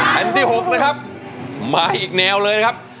แผ่นที่๖นะครับมาอีกแนวเลยนะครับ